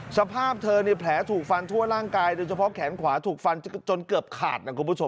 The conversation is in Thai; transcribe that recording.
สภาพเธอเนี่ยแผลถูกฟันทั่วร่างกายโดยเฉพาะแขนขวาถูกฟันจนเกือบขาดนะคุณผู้ชม